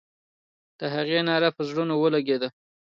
د هغې ناره پر زړونو ولګېده.